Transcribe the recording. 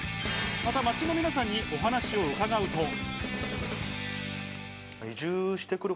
また町の皆さんにお話を伺うと。